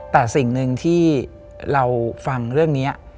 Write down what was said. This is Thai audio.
แต่สิ่งหนึ่งที่เราฟังเรื่องนี้